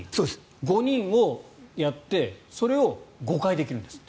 ５人をやってそれを５回できるんですって。